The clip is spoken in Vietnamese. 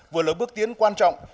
vừa lấy bước tiến quan trọng